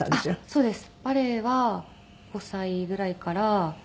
そうです。